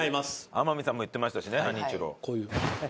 天海さんも言ってましたしねハニーチュロ。